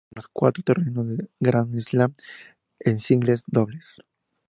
Ella compitió en los cuatro torneos de Grand Slam en singles y dobles.